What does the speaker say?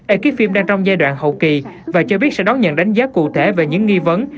ekip phim đang trong giai đoạn hậu kỳ và cho biết sẽ đón nhận đánh giá cụ thể về những nghi vấn